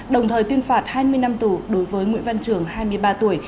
đồng thời tuyên phạt hai mươi năm tù đối với nguyễn văn trường hai mươi ba tuổi